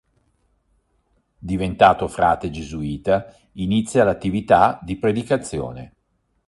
Diventato frate gesuita inizia l'attività di predicazione.